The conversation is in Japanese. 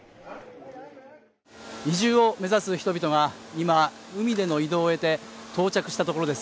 移住を目指す人々が、今海での移動を終えて到着したところです